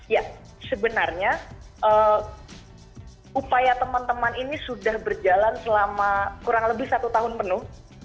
ya sebenarnya upaya teman teman ini sudah berjalan selama kurang lebih satu tahun penuh